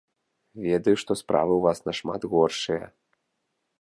Ведаю, што справы ў вас нашмат горшыя.